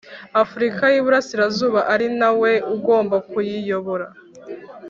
Afurika y Iburasirazuba ari na we ugomba kuyiyobora